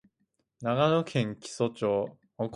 長野県木曽町